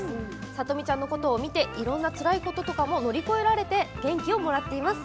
さとみちゃんのことを見ていろんなつらいこととかも乗り越えられて元気をもらっています。